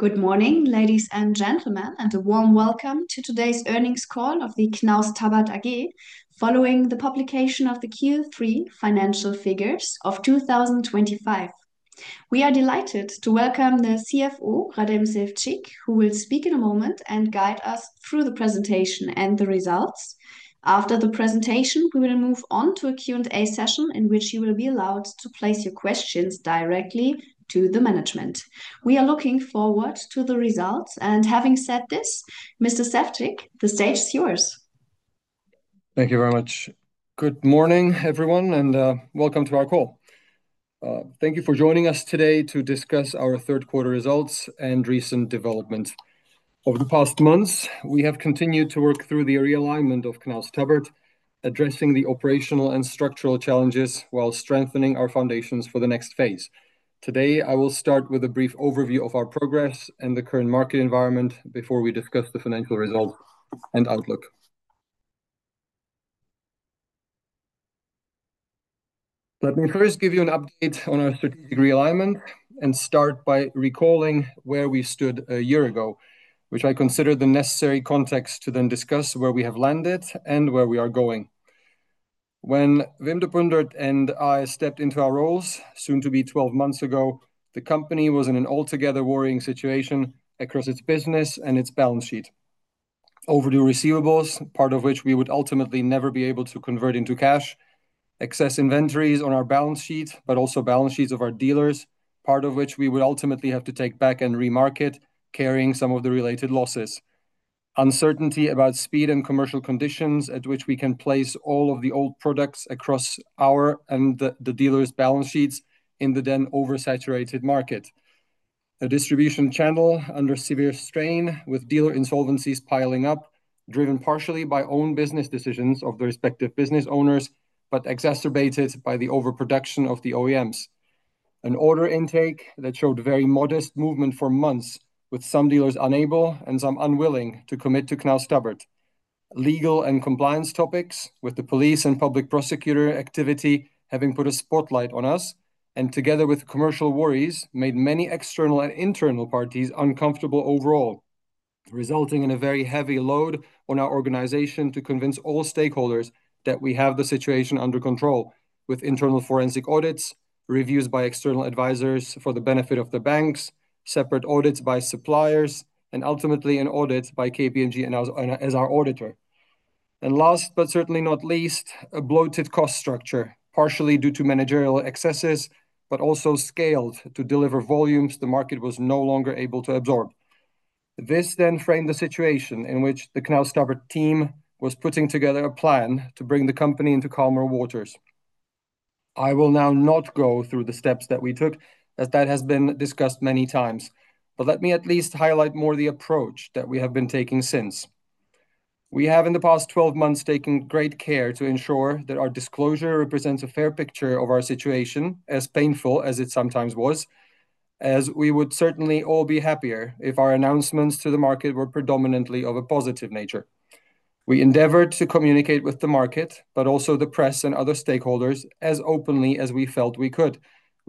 Good morning, ladies and gentlemen, and a warm welcome to today's earnings call of Knaus Tabbert AG following the publication of the Q3 Financial Figures of 2025. We are delighted to welcome the CFO, Radim Ševčík, who will speak in a moment and guide us through the presentation and the results. After the presentation, we will move on to a Q&A session in which you will be allowed to place your questions directly to the management. We are looking forward to the results, and having said this, Mr. Ševčík, the stage is yours. Thank you very much. Good morning, everyone, and welcome to our call. Thank you for joining us today to discuss our third quarter results and recent development. Over the past months, we have continued to work through the realignment of Knaus Tabbert, addressing the operational and structural challenges while strengthening our foundations for the next phase. Today, I will start with a brief overview of our progress and the current market environment before we discuss the financial results and outlook. Let me first give you an update on our strategic realignment and start by recalling where we stood a year ago, which I consider the necessary context to then discuss where we have landed and where we are going. When Wim de Pundert and I stepped into our roles, soon to be 12 months ago, the company was in an altogether worrying situation across its business and its balance sheet. Overdue receivables, part of which we would ultimately never be able to convert into cash. Excess inventories on our balance sheet, but also balance sheets of our dealers, part of which we would ultimately have to take back and remarket, carrying some of the related losses. Uncertainty about speed and commercial conditions at which we can place all of the old products across our and the dealers' balance sheets in the then oversaturated market. A distribution channel under severe strain with dealer insolvencies piling up, driven partially by own business decisions of the respective business owners, but exacerbated by the overproduction of the OEMs. An order intake that showed very modest movement for months, with some dealers unable and some unwilling to commit to Knaus Tabbert. Legal and compliance topics with the police and public prosecutor activity having put a spotlight on us, and together with commercial worries, made many external and internal parties uncomfortable overall, resulting in a very heavy load on our organization to convince all stakeholders that we have the situation under control with internal forensic audits, reviews by external advisors for the benefit of the banks, separate audits by suppliers, and ultimately an audit by KPMG as our auditor. Last but certainly not least, a bloated cost structure, partially due to managerial excesses but also scaled to deliver volumes the market was no longer able to absorb. This framed the situation in which the Knaus Tabbert team was putting together a plan to bring the company into calmer waters. I will now not go through the steps that we took, as that has been discussed many times. Let me at least highlight more the approach that we have been taking since. We have, in the past 12 months, taken great care to ensure that our disclosure represents a fair picture of our situation, as painful as it sometimes was, as we would certainly all be happier if our announcements to the market were predominantly of a positive nature. We endeavored to communicate with the market, but also the press and other stakeholders as openly as we felt we could,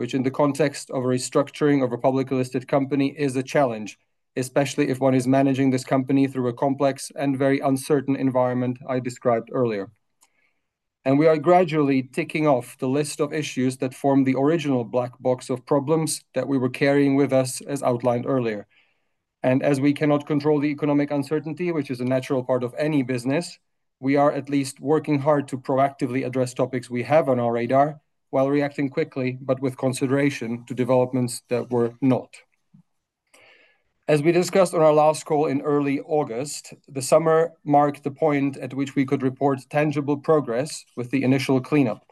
which in the context of a restructuring of a publicly listed company is a challenge, especially if one is managing this company through a complex and very uncertain environment I described earlier. We are gradually ticking off the list of issues that form the original black box of problems that we were carrying with us, as outlined earlier. As we cannot control the economic uncertainty, which is a natural part of any business, we are at least working hard to proactively address topics we have on our radar while reacting quickly but with consideration to developments that were not. As we discussed on our last call in early August, the summer marked the point at which we could report tangible progress with the initial cleanup.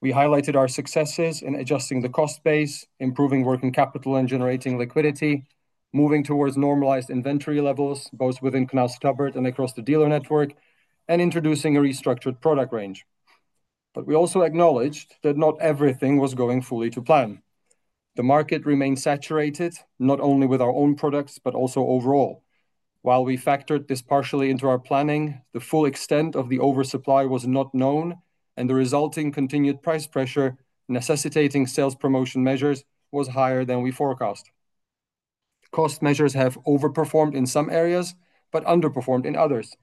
We highlighted our successes in adjusting the cost base, improving working capital, and generating liquidity, moving towards normalized inventory levels, both within Knaus Tabbert and across the dealer network, and introducing a restructured product range. We also acknowledged that not everything was going fully to plan. The market remained saturated, not only with our own products, but also overall. While we factored this partially into our planning, the full extent of the oversupply was not known, and the resulting continued price pressure necessitating sales promotion measures was higher than we forecast. Cost measures have overperformed in some areas but underperformed in others.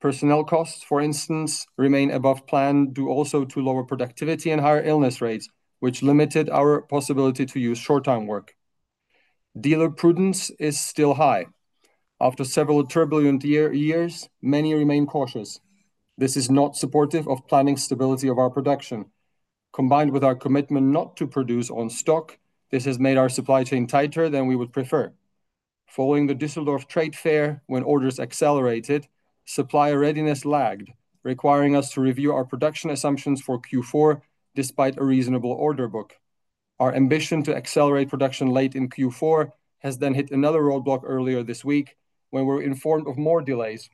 Personnel costs, for instance, remain above plan due also to lower productivity and higher illness rates, which limited our possibility to use short-term work. Dealer prudence is still high. After several turbulent years, many remain cautious. This is not supportive of planning stability of our production. Combined with our commitment not to produce on stock, this has made our supply chain tighter than we would prefer. Following the Düsseldorf trade fair, when orders accelerated, supplier readiness lagged, requiring us to review our production assumptions for Q4 despite a reasonable order book. Our ambition to accelerate production late in Q4 has then hit another roadblock earlier this week when we were informed of more delays,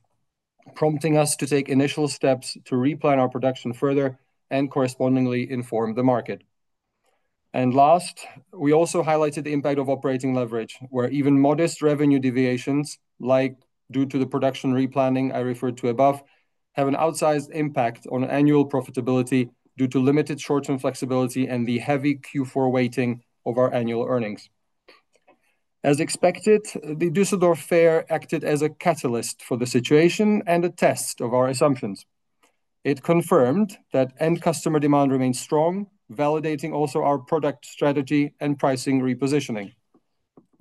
prompting us to take initial steps to replan our production further and correspondingly inform the market. Last, we also highlighted the impact of operating leverage, where even modest revenue deviations, like due to the production replanning I referred to above, have an outsized impact on annual profitability due to limited short-term flexibility and the heavy Q4 weighting of our annual earnings. As expected, the Düsseldorf Fair acted as a catalyst for the situation and a test of our assumptions. It confirmed that end customer demand remains strong, validating also our product strategy and pricing repositioning.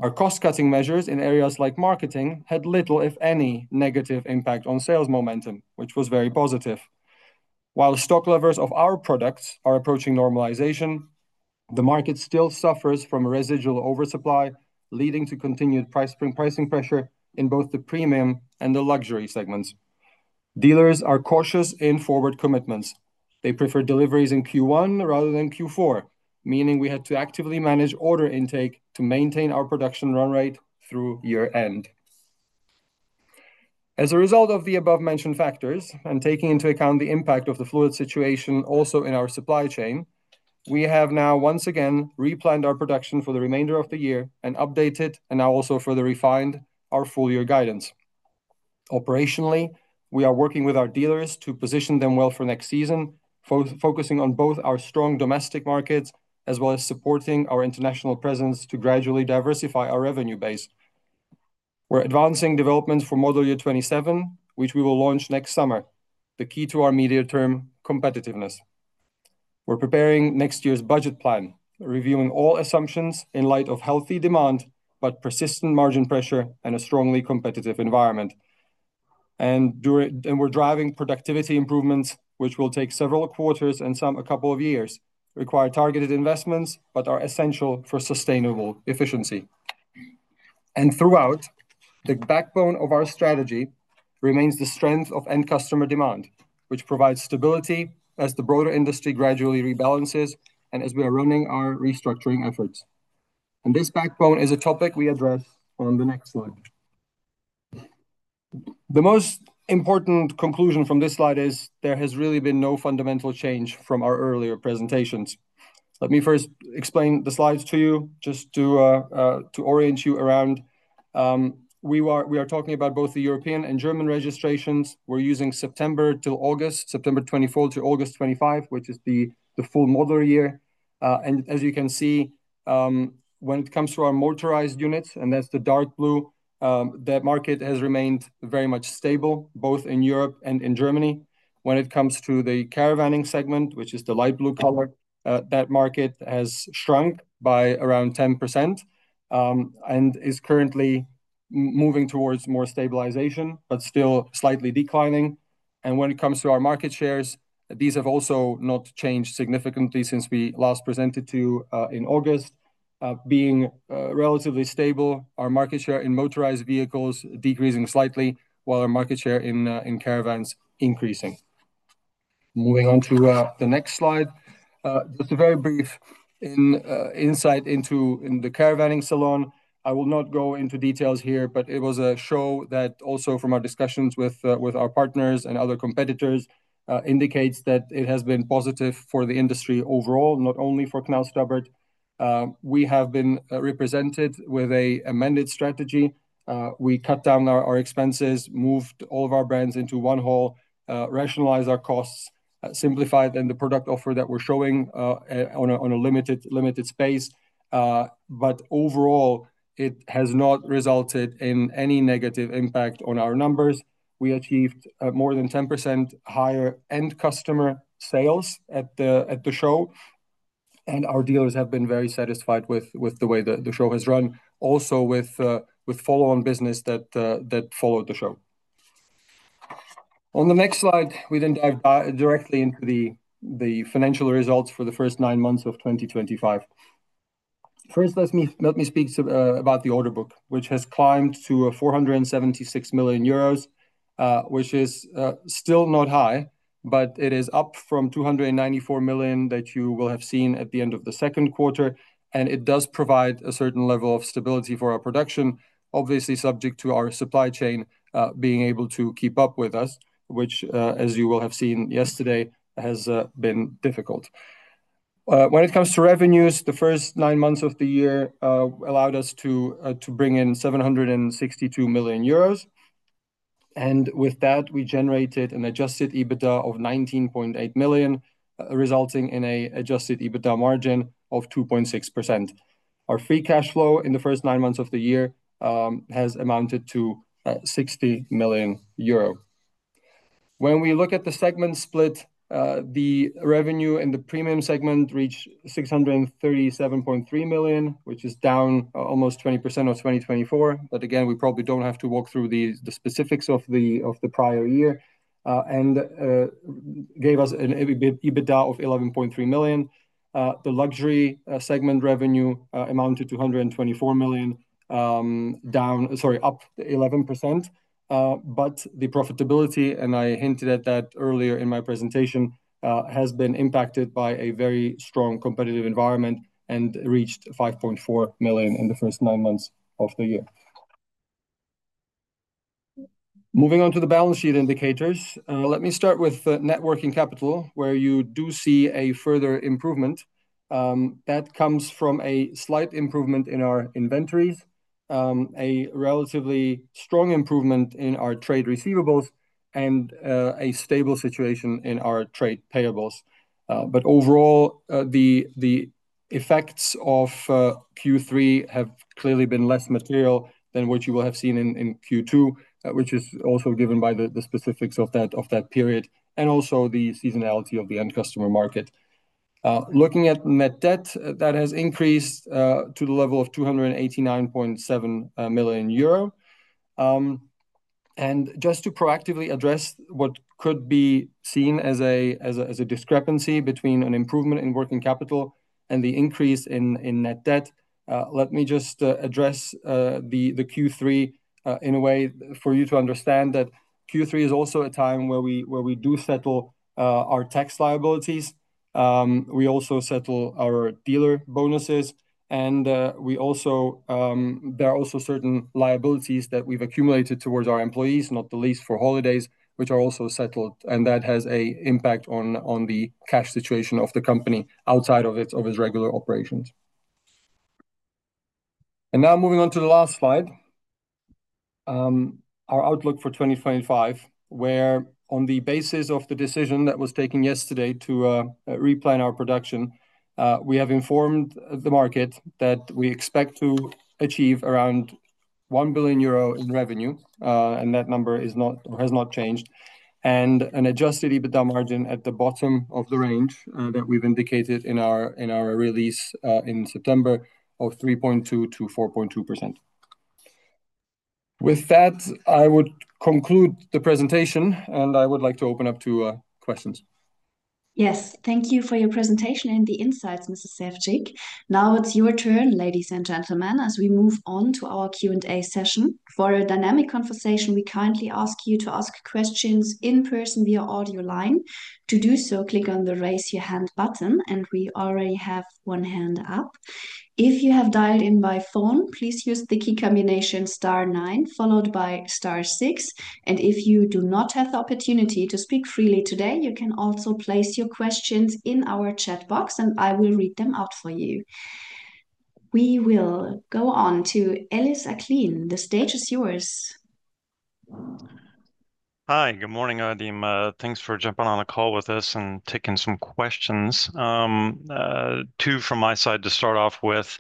Our cost-cutting measures in areas like marketing had little, if any, negative impact on sales momentum, which was very positive. While stock levels of our products are approaching normalization, the market still suffers from a residual oversupply, leading to continued pricing pressure in both the Premium and the Luxury segments. Dealers are cautious in forward commitments. They prefer deliveries in Q1 rather than Q4, meaning we had to actively manage order intake to maintain our production run rate through year-end. As a result of the above-mentioned factors, and taking into account the impact of the fluid situation also in our supply chain, we have now once again replanned our production for the remainder of the year and updated, and now also further refined our full year guidance. Operationally, we are working with our dealers to position them well for next season, focusing on both our strong domestic markets, as well as supporting our international presence to gradually diversify our revenue base. We're advancing developments for Model Year 2027, which we will launch next summer, the key to our immediate term competitiveness. We're preparing next year's budget plan, reviewing all assumptions in light of healthy demand, but persistent margin pressure and a strongly competitive environment. We're driving productivity improvements, which will take several quarters and some a couple of years, require targeted investments, but are essential for sustainable efficiency. Throughout, the backbone of our strategy remains the strength of end customer demand, which provides stability as the broader industry gradually rebalances and as we are running our restructuring efforts. This backbone is a topic we address on the next slide. The most important conclusion from this slide is there has really been no fundamental change from our earlier presentations. Let me first explain the slides to you just to orient you around. We are talking about both the European and German registrations. We are using September till August, September 24 to August 25, which is the full Model Year. As you can see, when it comes to our motorized units, and that's the dark blue, that market has remained very much stable both in Europe and in Germany. When it comes to the caravanning segment, which is the light blue color, that market has shrunk by around 10%, and is currently moving towards more stabilization, but still slightly declining. When it comes to our market shares, these have also not changed significantly since we last presented to in August. Being relatively stable, our market share in motorized vehicles decreasing slightly, while our market share in caravans increasing. Moving on to the next slide. Just a very brief insight into the Caravan Salon. I will not go into details here, but it was a show that also from our discussions with our partners and other competitors indicates that it has been positive for the industry overall, not only for Knaus Tabbert. We have been represented with an amended strategy. We cut down our expenses, moved all of our brands into one hall, rationalized our costs, simplified in the product offer that we're showing on a limited space. Overall, it has not resulted in any negative impact on our numbers. We achieved more than 10% higher end customer sales at the show, and our dealers have been very satisfied with the way the show has run, also with follow on business that followed the show. On the next slide, we then dive directly into the financial results for the first nine months of 2025. First, let me speak to about the order book, which has climbed to 476 million euros, which is still not high, but it is up from 294 million that you will have seen at the end of the second quarter. It does provide a certain level of stability for our production, obviously subject to our supply chain being able to keep up with us, which, as you will have seen yesterday, has been difficult. When it comes to revenues, the first nine months of the year allowed us to bring in 762 million euros, and with that we generated an adjusted EBITDA of 19.8 million, resulting in an adjusted EBITDA margin of 2.6%. Our free cash flow in the first nine months of the year has amounted to 60 million euro. When we look at the segment split, the revenue in the Premium segment reached 637.3 million, which is down almost 20% of 2024. Again, we probably don't have to walk through the specifics of the prior year, and gave us an EBITDA of 11.3 million. The Luxury segment revenue amounted to 124 million, up 11%. The profitability, and I hinted at that earlier in my presentation, has been impacted by a very strong competitive environment and reached 5.4 million in the first nine months of the year. Moving on to the balance sheet indicators, let me start with net working capital where you do see a further improvement, that comes from a slight improvement in our inventories. A relatively strong improvement in our trade receivables and a stable situation in our trade payables. Overall, the effects of Q3 have clearly been less material than what you will have seen in Q2, which is also given by the specifics of that period and also the seasonality of the end customer market. Looking at net debt, that has increased to the level of 289.7 million euro. Just to proactively address what could be seen as a discrepancy between an improvement in working capital and the increase in net debt, let me just address the Q3 in a way for you to understand that Q3 is also a time where we do settle our tax liabilities. We also settle our dealer bonuses and there are also certain liabilities that we've accumulated towards our employees, not the least for holidays, which are also settled. That has an impact on the cash situation of the company outside of its regular operations. Now moving on to the last slide. Our outlook for 2025, where on the basis of the decision that was taken yesterday to replan our production, we have informed the market that we expect to achieve around 1 billion euro in revenue. That number is not or has not changed. An adjusted EBITDA margin at the bottom of the range that we've indicated in our release in September, of 3.2%-4.2%. With that, I would conclude the presentation and I would like to open up to questions. Yes. Thank you for your presentation and the insights, Mr. Ševčík. Now it's your turn, ladies and gentlemen, as we move on to our Q&A session. For a dynamic conversation, we kindly ask you to ask questions in person via audio line. To do so, click on the Raise Your Hand button. We already have one hand up. If you have dialed in by phone, please use the key combination star nine followed by star six. If you do not have the opportunity to speak freely today, you can also place your questions in our chat box, and I will read them out for you. We will go on to Ellis Acklin. The stage is yours. Hi. Good morning, Radim. Thanks for jumping on a call with us and taking some questions. Two from my side to start off with.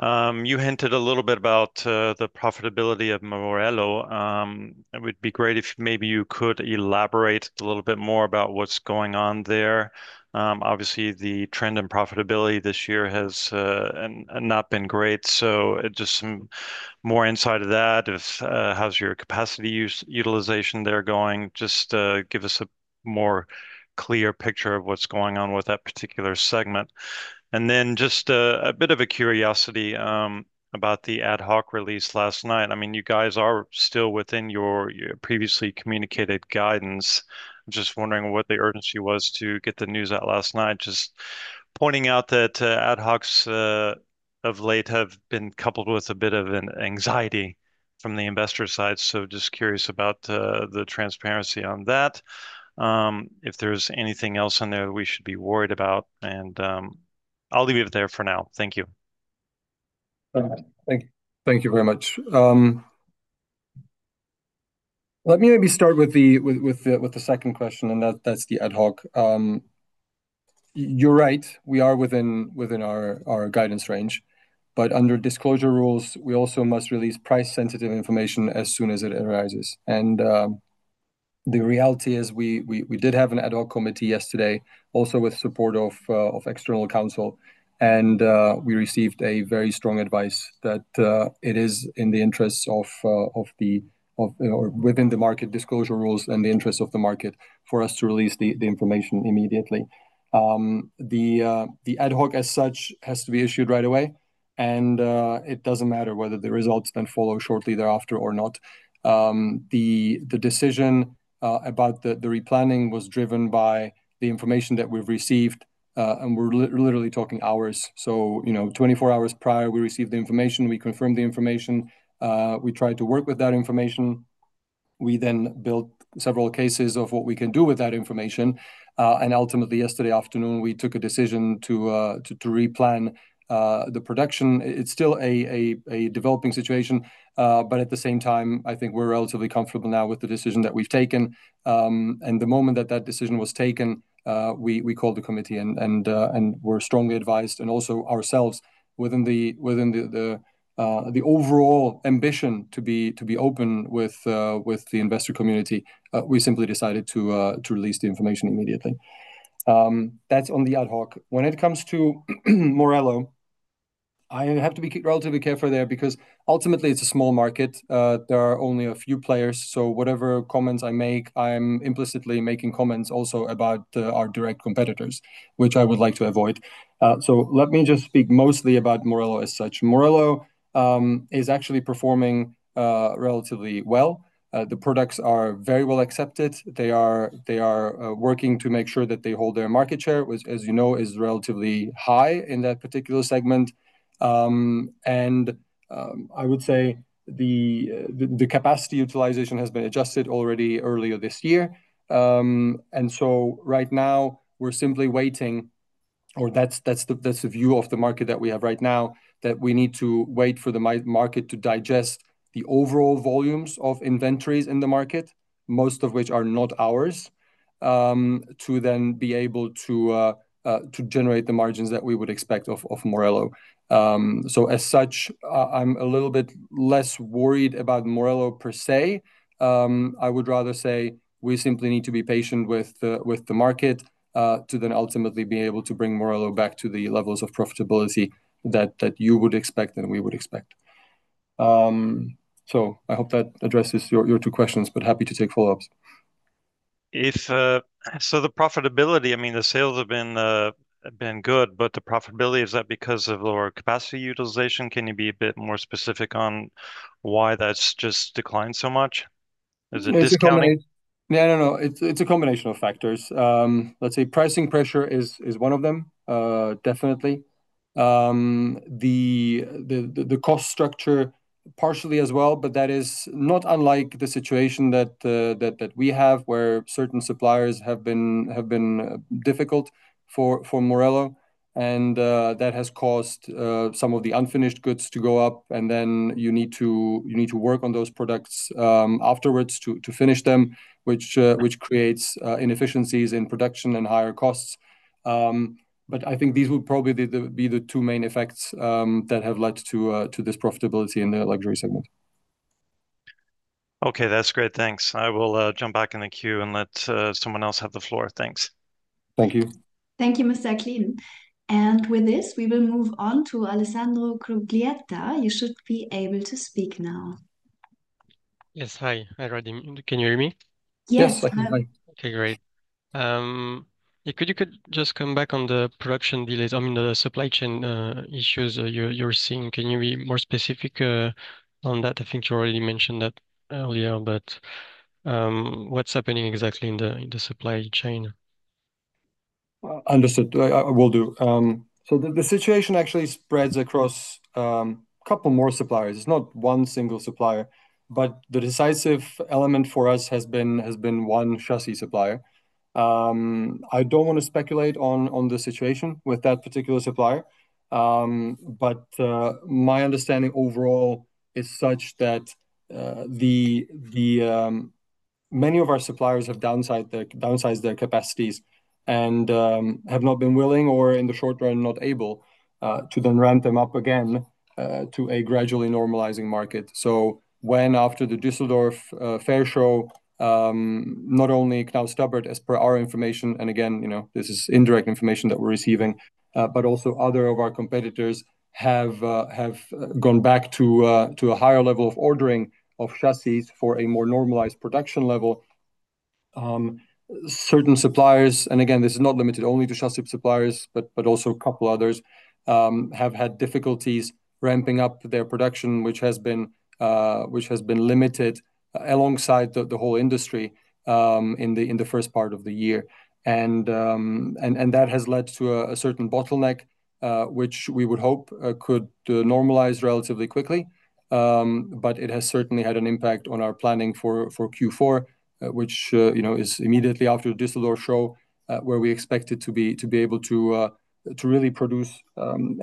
You hinted a little bit about the profitability of Morelo. It would be great if, maybe, you could elaborate a little bit more about what's going on there. Obviously, the trend in profitability this year has not been great. Just some more insight of that if how's your capacity utilization there going? Just give us a more clear picture of what's going on with that particular segment. Just a bit of a curiosity about the ad hoc release last night. I mean, you guys are still within your previously communicated guidance. I'm just wondering what the urgency was to get the news out last night. Just pointing out that ad hocs of late have been coupled with a bit of an anxiety from the investor side. Just curious about the transparency on that, if there's anything else in there we should be worried about. I'll leave it there for now. Thank you. Thank you very much. Let me maybe start with the second question, and that's the ad hoc. You're right, we are within our guidance range. Under disclosure rules, we also must release price-sensitive information as soon as it arises. The reality is we did have an ad hoc committee yesterday also with support of external counsel. We received a very strong advice that it is in the interests of, or within the market disclosure rules and the interests of the market, for us to release the information immediately. The ad hoc as such has to be issued right away. It doesn't matter whether the results then follow shortly thereafter or not. The decision about the replanning was driven by the information that we've received, and we're literally talking hours. You know, 24 hours prior, we received the information, we confirmed the information, we tried to work with that information. We then built several cases of what we can do with that information, and ultimately yesterday afternoon we took a decision to replan the production. It's still a developing situation, but at the same time, I think we're relatively comfortable now with the decision that we've taken. The moment that that decision was taken, we called the committee and were strongly advised and also ourselves within the overall ambition to be open with the investor community, we simply decided to release the information immediately. That's on the ad hoc. When it comes to Morelo, I have to be relatively careful there because ultimately it's a small market. There are only a few players, so whatever comments I make, I'm implicitly making comments also about our direct competitors, which I would like to avoid. Let me just speak mostly about Morelo as such. Morelo is actually performing relatively well. The products are very well accepted. They are working to make sure that they hold their market share, which as you know is relatively high in that particular segment. I would say the capacity utilization has been adjusted already earlier this year. Right now we're simply waiting. That's the view of the market that we have right now, that we need to wait for the market to digest the overall volumes of inventories in the market, most of which are not ours, to then be able to generate the margins that we would expect of Morelo. As such, I'm a little bit less worried about Morelo per se. I would rather say we simply need to be patient with the market to then ultimately be able to bring Morelo back to the levels of profitability that you would expect and we would expect. I hope that addresses your two questions, but happy to take follow-ups. The profitability, I mean, the sales have been good, but the profitability is that because of lower capacity utilization? Can you be a bit more specific on why that's just declined so much? Is it discounting? Yeah, you know, it's a combination of factors. Let's say pricing pressure is one of them, definitely. The cost structure partially, as well, but that is not unlike the situation that we have where certain suppliers have been difficult for Morelo. That has caused some of the unfinished goods to go up and then you need to work on those products afterwards to finish them, which creates inefficiencies in production and higher costs. I think these would probably be the two main effects that have led to this profitability in the Luxury segment. Okay, that's great. Thanks. I will jump back in the queue and let someone else have the floor. Thanks. Thank you. Thank you, Mr. Acklin. With this we will move on to Alessandro Cuglietta. You should be able to speak now. Yes. Hi. Hi, Radim. Can you hear me? Yes. Yes, I can hear you. Okay, great. Could you just come back on the production delays, I mean, the supply chain issues you're seeing? Can you be more specific on that? I think you already mentioned that earlier, but what's happening exactly in the supply chain? Understood. I will do. The situation actually spreads across a couple more suppliers. It's not one single supplier. The decisive element for us has been one chassis supplier. I don't want to speculate on the situation with that particular supplier. My understanding overall is such that many of our suppliers have downsized their capacities and have not been willing or, in the short run, not able to then ramp them up again to a gradually normalizing market. When after the Düsseldorf fair show, not only Knaus Tabbert as per our information, and again, you know, this is indirect information that we're receiving, but also other of our competitors have gone back to a higher level of ordering of chassis for a more normalized production level. Certain suppliers, and again this is not limited only to chassis suppliers but also a couple others, have had difficulties ramping up their production which has been limited alongside the whole industry in the first part of the year. That has led to a certain bottleneck, which we would hope could normalize relatively quickly. It has certainly had an impact on our planning for Q4, which, you know, is immediately after the Düsseldorf show, where we expect to be able to really produce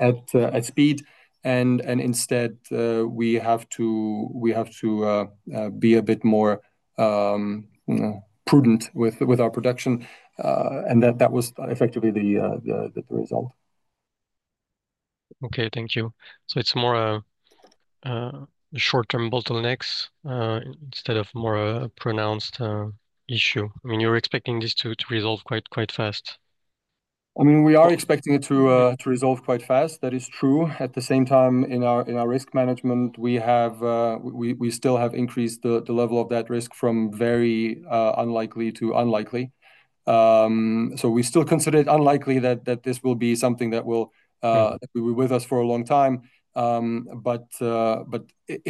at speed and instead, we have to be a bit more prudent with our production. That was effectively the result. Okay, thank you. It's more a short-term bottlenecks instead of more a pronounced issue. I mean, you're expecting this to resolve quite fast. I mean, we are expecting it to resolve quite fast. That is true. At the same time, in our risk management, we still have increased the level of that risk from very unlikely to unlikely. We still consider it unlikely that this will be something that will be with us for a long time.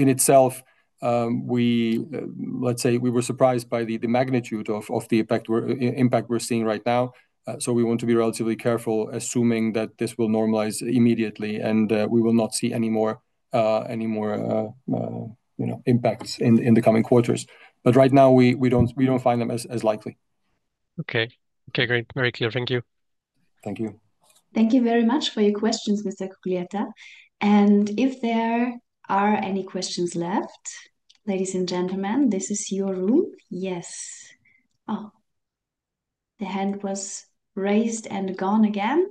In itself, we, let's say we were surprised by the magnitude of the effect, impact we're seeing right now. We want to be relatively careful assuming that this will normalize immediately, and we will not see any more, you know, impacts in the coming quarters. Right now, we don't find them as likely. Okay. Okay, great. Very clear. Thank you. Thank you. Thank you very much for your questions, Mr. Cuglietta. If there are any questions left, ladies and gentlemen, this is your room. Yes. Oh, the hand was raised and gone again.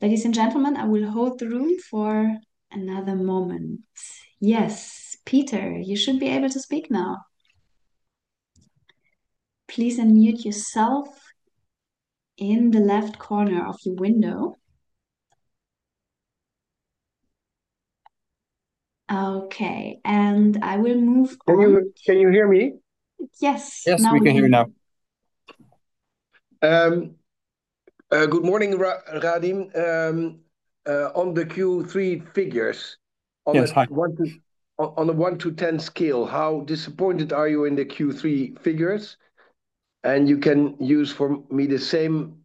Ladies and gentlemen, I will hold the room for another moment. Yes. Peter, you should be able to speak now. Please unmute yourself in the left corner of your window. Okay, I will move on. Can you hear me? Yes. Now we can. Yes, we can hear you now. Good morning Radim. On the Q3 figures. Yes. Hi On a 1 to 10 scale, how disappointed are you in the Q3 figures? You can use for me the same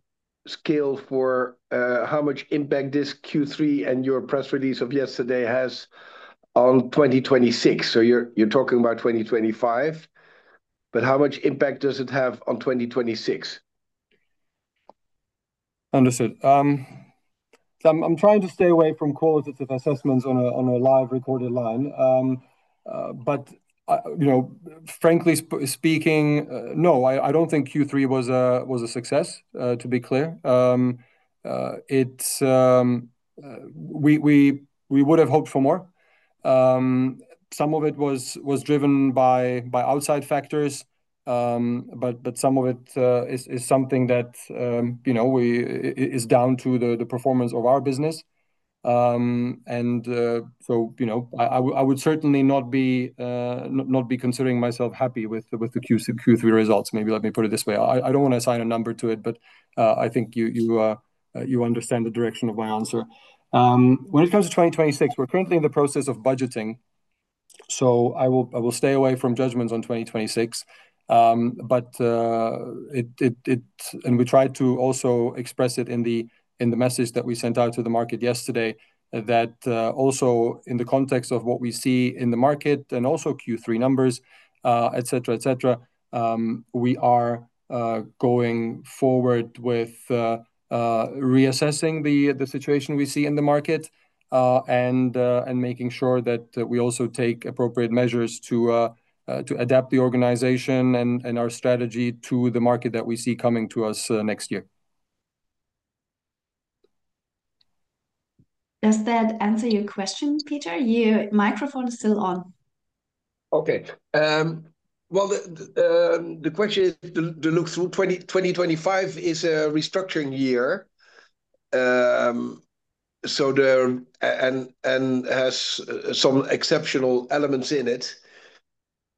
scale for how much impact this Q3 and your press release of yesterday has on 2026. You're talking about 2025. How much impact does it have on 2026? Understood. I'm trying to stay away from qualitative assessments on a live recorded line. You know, frankly speaking, no, I don't think Q3 was a success, to be clear. We would have hoped for more. Some of it was driven by outside factors. But some of it is something that, you know, it's down to the performance of our business. You know, I would certainly not be considering myself happy with the Q3 results. Maybe let me put it this way. I don't want to assign a number to it, but, I think you understand the direction of my answer. When it comes to 2026, we're currently in the process of budgeting. I will stay away from judgments on 2026. We tried to also express it in the message that we sent out to the market yesterday that also, in the context of what we see in the market and also Q3 numbers, et cetera, et cetera, we are going forward with reassessing the situation we see in the market, and making sure that we also take appropriate measures to adapt the organization and our strategy to the market that we see coming to us next year. Does that answer your question, Peter? Your microphone is still on. Okay. Well, the question is to look through 2025 is a restructuring year. And has some exceptional elements in it.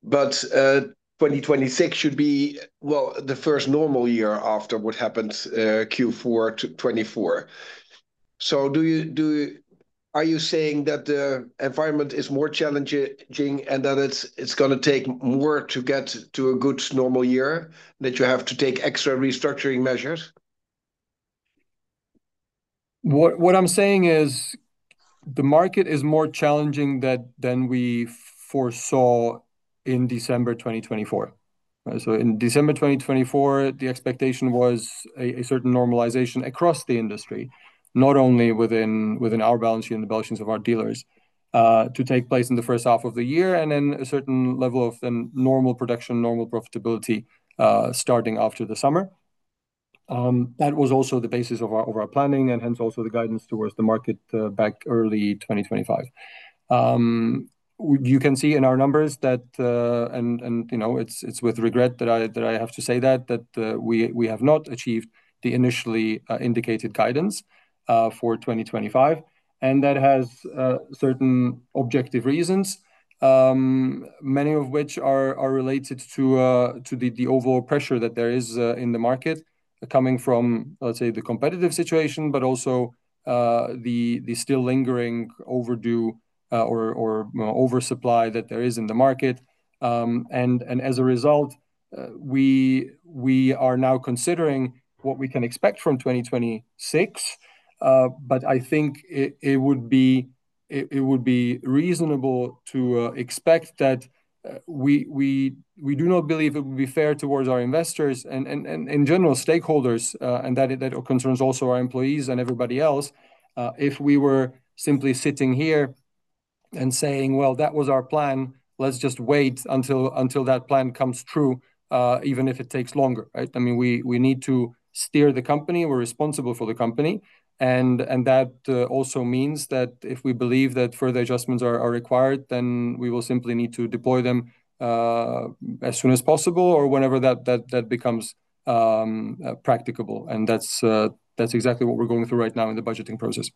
2026 should be, well, the first normal year after what happened, Q4 2024. Are you saying that the environment is more challenging, and that it's gonna take more to get to a good normal year, that you have to take extra restructuring measures? What I'm saying is the market is more challenging than we foresaw in December 2024. In December 2024, the expectation was a certain normalization across the industry, not only within our balance sheet and the balance sheets of our dealers, to take place in the first half of the year and then a certain level of then normal production, normal profitability, starting after the summer. That was also the basis of our planning and, hence, also the guidance towards the market back early 2025. You can see in our numbers that, you know, it's with regret that I have to say that we have not achieved the initially indicated guidance for 2025. That has certain objective reasons, many of which are related to the overall pressure that there is in the market coming from, let's say, the competitive situation, but also the still lingering overdue or, you know, oversupply that there is in the market. As a result, we are now considering what we can expect from 2026. But I think it would be reasonable to expect that we do not believe it would be fair towards our investors and general stakeholders, and that concerns also our employees and everybody else, if we were simply sitting here and saying, "Well, that was our plan. Let's just wait until that plan comes true, even if it takes longer." Right? I mean, we need to steer the company. We're responsible for the company. That also means that if we believe that further adjustments are required, then we will simply need to deploy them as soon as possible or whenever that becomes practicable. That's exactly what we're going through right now in the budgeting process.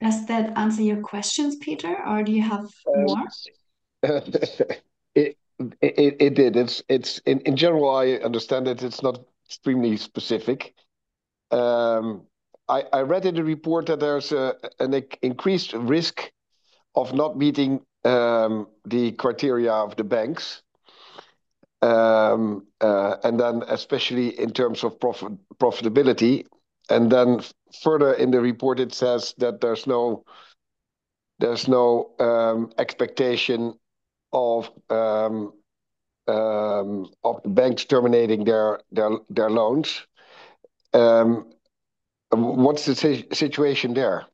Does that answer your questions, Peter? Do you have more? It did. In general, I understand it. It's not extremely specific. I read in the report that there's an increased risk of not meeting the criteria of the banks, especially in terms of profitability. Further in the report, it says that there's no expectation of the banks terminating their loans. What's the situation there?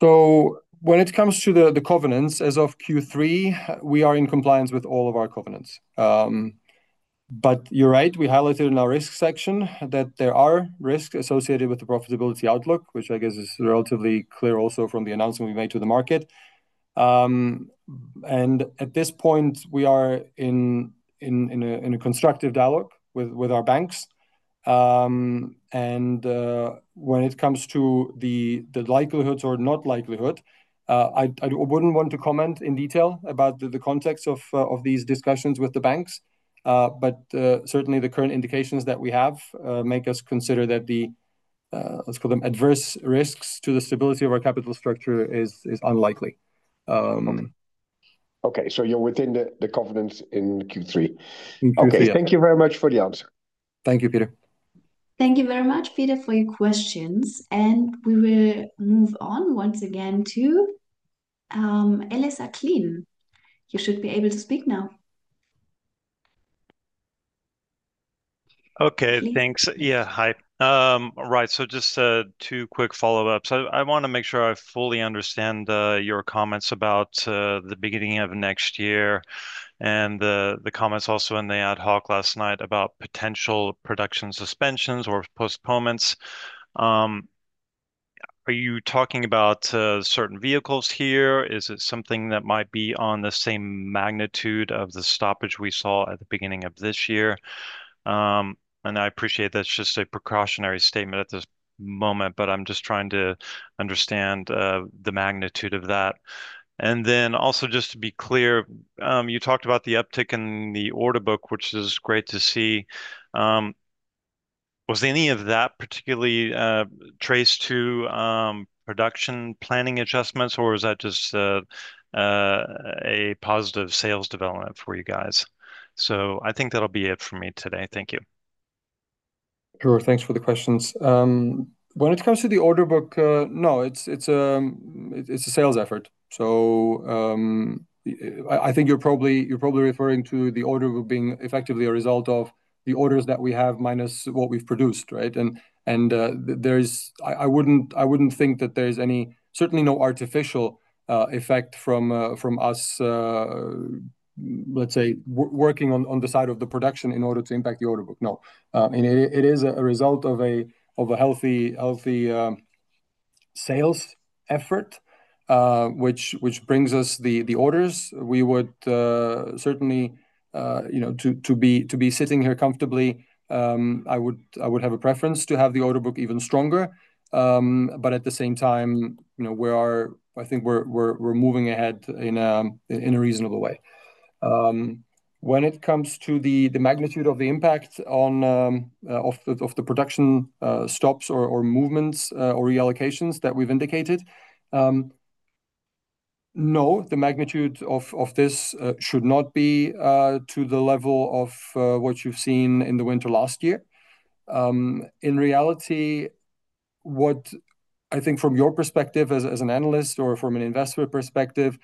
When it comes to the covenants, as of Q3, we are in compliance with all of our covenants. You're right, we highlighted in our risk section that there are risks associated with the profitability outlook, which I guess is relatively clear also from the announcement we made to the market. At this point, we are in a constructive dialogue with our banks. When it comes to the likelihoods or not likelihood, I wouldn't want to comment in detail about the context of these discussions with the banks. Certainly, the current indications that we have make us consider that the, let's call them adverse risks to the stability of our capital structure, is unlikely. Okay. You're within the confidence in Q3? In Q3, yeah. Okay. Thank you very much for the answer. Thank you, Peter. Thank you very much, Peter, for your questions. We will move on once again to Ellis Acklin. You should be able to speak now. Okay, thanks. [Mr. Acklin?] Yeah. Hi. Just two quick follow-ups. I wanna make sure I fully understand your comments about the beginning of next year, and the comments also in the ad hoc last night about potential production suspensions or postponements. Are you talking about certain vehicles here? Is it something that might be on the same magnitude of the stoppage we saw at the beginning of this year? I appreciate that's just a precautionary statement at this moment, but I'm just trying to understand the magnitude of that. Also, just to be clear, you talked about the uptick in the order book, which is great to see. Was any of that particularly traced to production planning adjustments or is that just a positive sales development for you guys? I think that'll be it for me today. Thank you. Sure. Thanks for the questions. When it comes to the order book, no, it's a sales effort. I think you're probably referring to the order book being effectively a result of the orders that we have minus what we've produced, right? I wouldn't think that there's any, certainly no artificial effect from us, let's say working on the side of the production in order to impact the order book, no. It is a result of a healthy sales effort which brings us the orders. We would certainly, you know, to be sitting here comfortably, I would have a preference to have the order book even stronger. At the same time, you know, we are moving ahead in a reasonable way. When it comes to the magnitude of the impact of the production stops or movements or reallocations that we've indicated, no, the magnitude of this should not be to the level of what you've seen in the winter last year. In reality, what I think from your perspective as an analyst or from an investor perspective,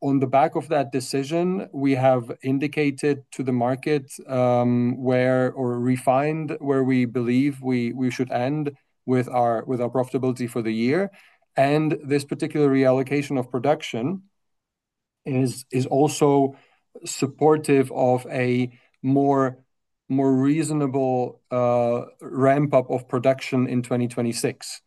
on the back of that decision, we have indicated to the market where or refined where we believe we should end with our profitability for the year. This particular reallocation of production is also supportive of a more reasonable ramp up of production in 2026.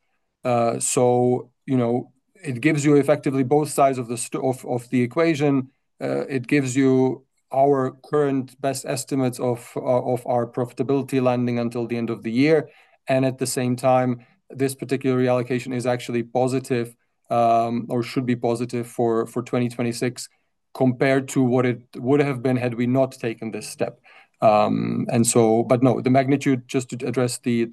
You know, it gives you effectively both sides of the equation. It gives you our current best estimates of our profitability landing until the end of the year. At the same time, this particular reallocation is actually positive, or should be positive for 2026 compared to what it would have been had we not taken this step. But no, the magnitude, just to address the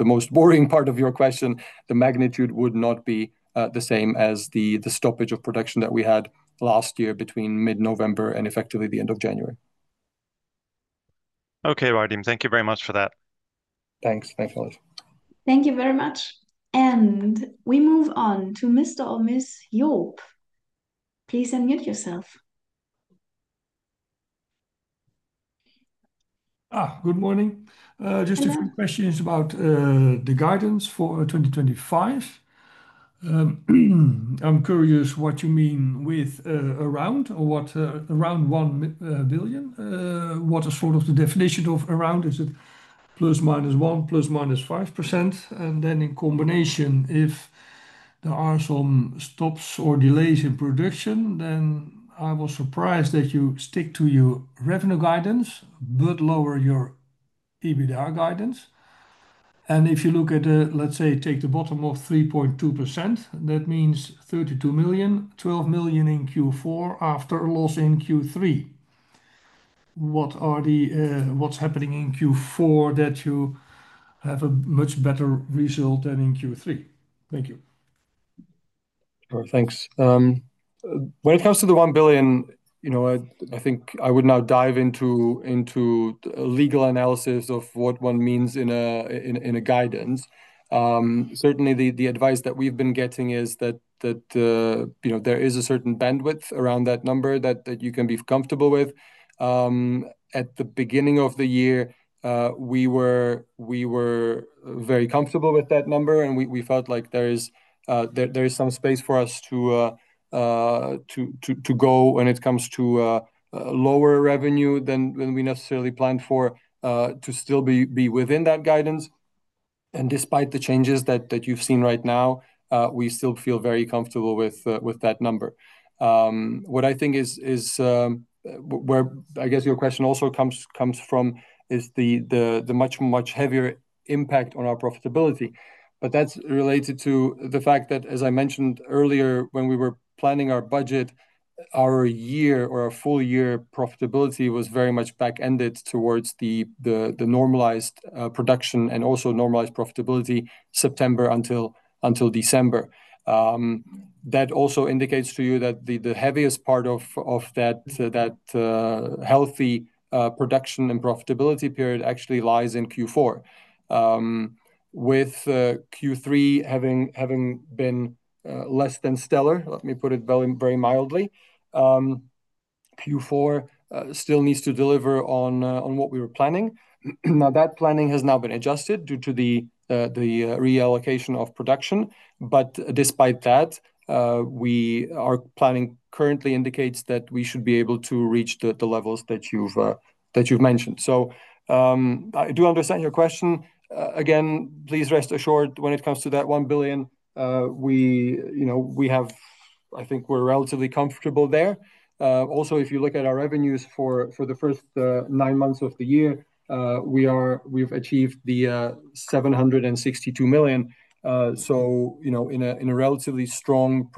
most boring part of your question, the magnitude would not be the same as the stoppage of production that we had last year between mid-November and effectively the end of January. Okay, Radim. Thank you very much for that. Thanks. Thanks a lot. Thank you very much. We move on to Mr. or Miss Joop. Please unmute yourself. Good morning. Good morning. Just a few questions about the guidance for 2025. I'm curious what you mean with around, or what around 1 billion. What is sort of the definition of around? Is it ±1%, ±5%? In combination, if there are some stops or delays in production, then I was surprised that you stick to your revenue guidance but lower your EBITDA guidance. If you look at, let's say, take the bottom of 3.2%, that means 32 million, 12 million in Q4 after a loss in Q3. What are the, what's happening in Q4 that you have a much better result than in Q3? Thank you. Sure, thanks. When it comes to the 1 billion, you know, I think I would now dive into legal analysis of what one means in a guidance. Certainly, the advice that we've been getting is that, you know, there is a certain bandwidth around that number that you can be comfortable with. At the beginning of the year, we were very comfortable with that number, and we felt like there is some space for us to go when it comes to lower revenue than we necessarily planned for to still be within that guidance. Despite the changes that you've seen right now, we still feel very comfortable with that number. What I think is where, I guess your question also comes from, is the much heavier impact on our profitability. That's related to the fact that, as I mentioned earlier when we were planning our budget, our year or our full year profitability was very much back-ended towards the normalized production and also normalized profitability September until December. That also indicates to you that the heaviest part of that healthy production and profitability period actually lies in Q4. With Q3 having been less than stellar, let me put it very mildly, Q4 still needs to deliver on what we were planning. That planning has now been adjusted due to the reallocation of production. Despite that, our planning currently indicates that we should be able to reach the levels that you've mentioned. I do understand your question. Again, please rest assured when it comes to that 1 billion, you know, we have I think we're relatively comfortable there. Also, if you look at our revenues for the first nine months of the year, we've achieved the 762 million, you know, in a relatively strong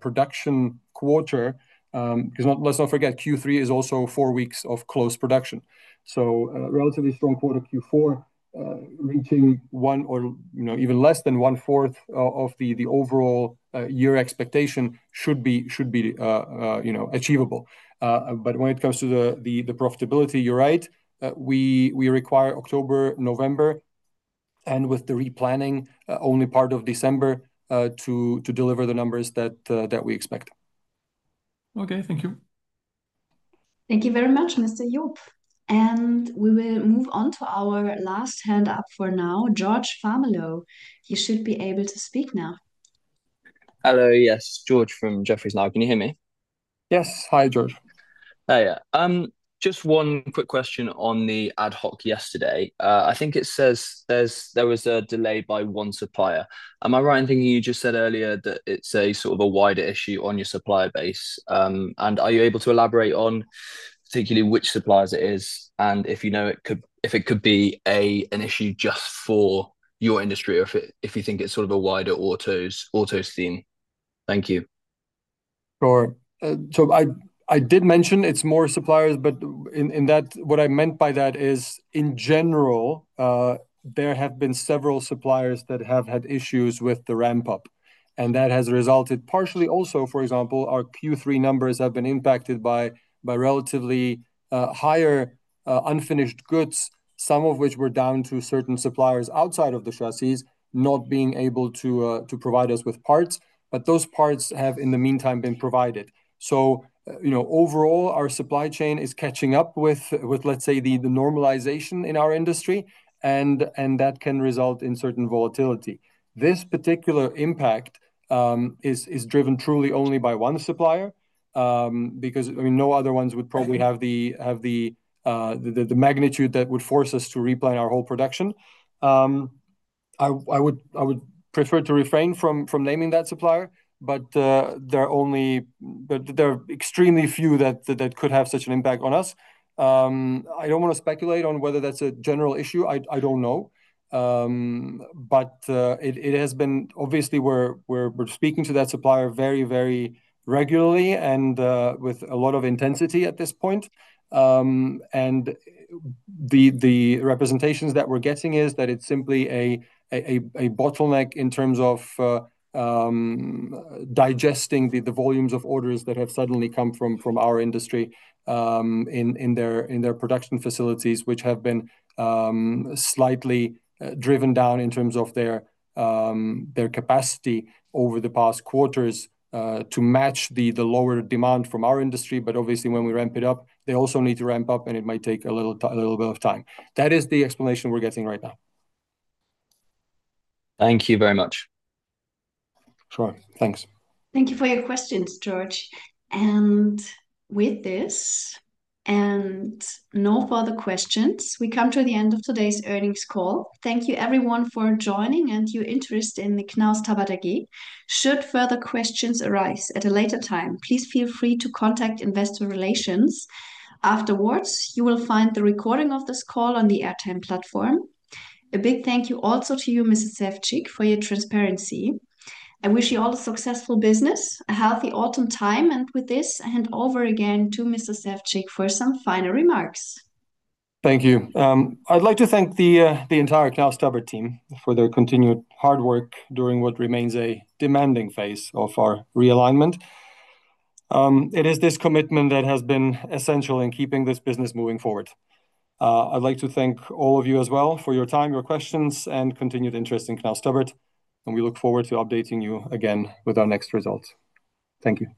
production quarter. 'Cause let's not forget, Q3 is also four weeks of close production. A relatively strong quarter Q4, reaching one or, you know, even less than one-fourth of the overall year expectation should be, you know, achievable. When it comes to the profitability, you're right. We require October, November, and with the re-planning, only part of December, to deliver the numbers that we expect. Okay. Thank you. Thank you very much, Mr. Joop. We will move on to our last hand up for now, George Farmiloe. You should be able to speak now. Hello. Yes, George from Jefferies now. Can you hear me? Yes. Hi, George. Hiya. Just one quick question on the ad hoc yesterday. I think it says there was a delay by one supplier. Am I right in thinking you just said earlier that it's a sort of a wider issue on your supplier base? Are you able to elaborate on, particularly which suppliers it is, and if you know it could, if it could be an issue just for your industry or if you think it's sort of a wider autos theme. Thank you. Sure. I did mention it's more suppliers, but in that, what I meant by that is, in general, there have been several suppliers that have had issues with the ramp-up. That has resulted partially also, for example, our Q3 numbers have been impacted by relatively higher unfinished goods, some of which were down to certain suppliers outside of the chassis not being able to provide us with parts. Those parts have in the meantime been provided. You know, overall, our supply chain is catching up with, let's say the normalization in our industry and that can result in certain volatility. This particular impact is driven truly only by one supplier, because, I mean, no other ones would probably have the magnitude that would force us to replan our whole production. I would prefer to refrain from naming that supplier, but there are only extremely few that could have such an impact on us. I don't want to speculate on whether that's a general issue. I don't know. It has been. Obviously, we're speaking to that supplier very regularly and with a lot of intensity at this point. The representations that we're getting is that it's simply a bottleneck in terms of digesting the volumes of orders that have suddenly come from our industry in their production facilities, which have been slightly driven down in terms of their capacity over the past quarters to match the lower demand from our industry. Obviously, when we ramp it up, they also need to ramp up and it might take a little bit of time. That is the explanation we're getting right now. Thank you very much. Sure. Thanks. Thank you for your questions, George. With this, and no further questions, we come to the end of today's earnings call. Thank you everyone for joining and your interest in the Knaus Tabbert AG. Should further questions arise at a later time, please feel free to contact Investor Relations. Afterwards, you will find the recording of this call on the AIRTIME platform. A big thank you also to you, Mr. Ševčík, for your transparency. I wish you all a successful business, a healthy autumn time, and with this, I hand over again to Mr. Ševčík for some final remarks. Thank you. I'd like to thank the entire Knaus Tabbert team for their continued hard work during what remains a demanding phase of our realignment. It is this commitment that has been essential in keeping this business moving forward. I'd like to thank all of you as well for your time, your questions, and continued interest in Knaus Tabbert, and we look forward to updating you again with our next results. Thank you